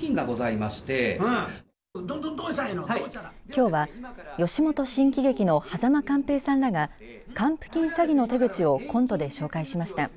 きょうは吉本新喜劇の間寛平さんらが還付金詐欺の手口をコントで紹介しました。